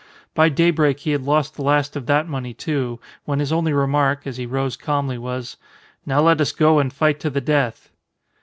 By daybreak he had lost the last of that money, too, when his only remark, as he rose calmly, was, "Now let us go and fight to the death."